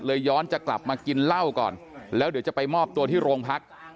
ย้อนจะกลับมากินเหล้าก่อนแล้วเดี๋ยวจะไปมอบตัวที่โรงพัก